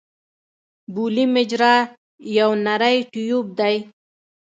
بولي مجرا یو نری ټیوب دی.